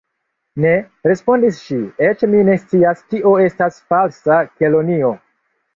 "Ne," respondis ŝi, "eĉ mi ne scias kio estas Falsa Kelonio."